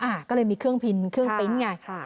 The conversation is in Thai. อ่ะก็เลยมีเครื่องพินเครื่องปริ้นต์ไงค่ะ